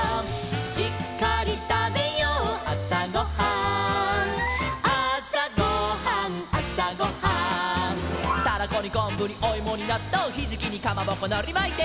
「しっかりたべようあさごはん」「あさごはんあさごはん」「タラコにこんぶにおいもになっとう」「ひじきにかまぼこのりまいて」